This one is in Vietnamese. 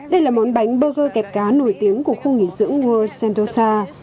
đây là món bánh burger kẹp cá nổi tiếng của khu nghỉ dưỡng world cendorsa